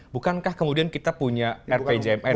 bukankah kemudian kita punya rpjmn misalnya begitu